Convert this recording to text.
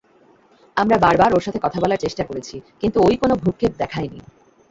আমরা বারবার ওর সাথে কথা বলার চেষ্টা করেছি, কিন্তু ওই কোনো ভ্রুক্ষেপ দেখায়নি।